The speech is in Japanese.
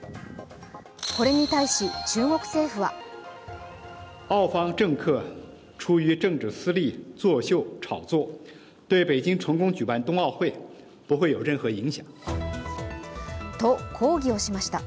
これに対し、中国政府はと抗議しました。